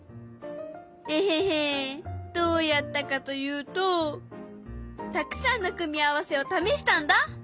エヘヘどうやったかというとたくさんの組み合わせを試したんだ！